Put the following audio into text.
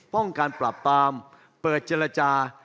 ป้องการปรับบาลเปิดเจรจา